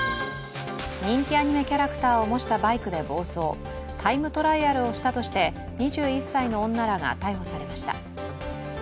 人気アニメキャラクターを模したバイクで暴走タイムトライアルをしたとして２１歳の女らが逮捕されました。